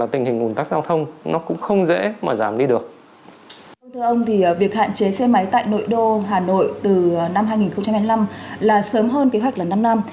thưa ông thì việc hạn chế xe máy tại nội đô hà nội từ năm hai nghìn hai mươi năm là sớm hơn kế hoạch là năm năm